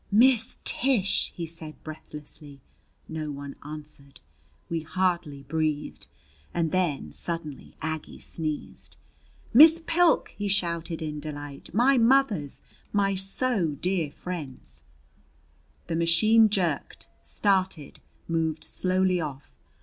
"Miss Tish!" he said breathlessly. No one answered. We hardly breathed. And then suddenly Aggie sneezed! "Miss Pilk!" he shouted in delight. "My mothers! My so dear friends " The machine jerked, started, moved slowly off.